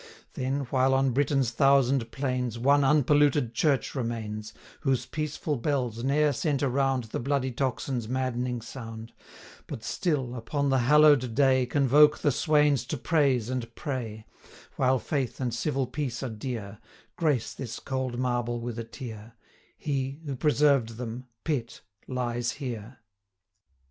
Then, while on Britain's thousand plains, One unpolluted church remains, Whose peaceful bells ne'er sent around The bloody tocsin's maddening sound, 120 But still, upon the hallow'd day, Convoke the swains to praise and pray; While faith and civil peace are dear, Grace this cold marble with a tear, He, who preserved them, PITT, lies here!